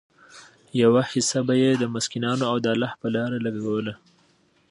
يوه حيصه به ئي د مسکينانو او د الله په لاره لګوله